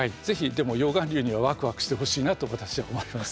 でも溶岩流にはワクワクしてほしいなと私は思います。